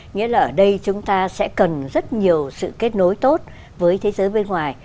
nghĩa là ở đây chúng ta sẽ cần rất nhiều sự kết nối tốt với thế giới bên ngoài